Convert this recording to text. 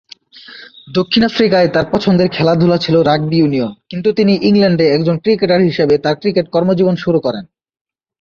দক্ষিণ আফ্রিকায় তার পছন্দের খেলাধুলা ছিল রাগবি ইউনিয়ন কিন্তু তিনি ইংল্যান্ডে একজন ক্রিকেটার হিসেবে তার ক্রিকেট কর্মজীবন শুরু করেন।